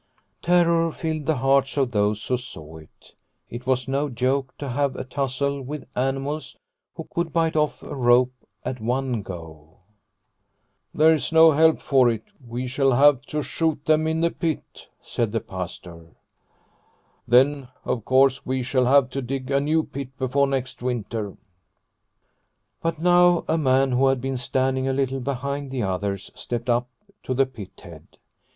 Terror filled the hearts of those who saw it. It was no joke to have a tussle with animals who could bite off a rope at one go. " There's no help for it, we shall have to shoot them in the pit," said the Pastor. " Then, of course, we shall have to dig a new pit before next winter." But now a man who had been standing a little behind the others stepped up to the pit head.